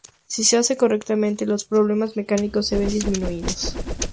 Si se hace correctamente, los problemas mecánicos se ven disminuidos.